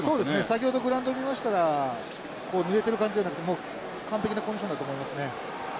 先ほどグラウンド見ましたら濡れてる感じじゃなくてもう完璧なコンディションだと思いますね。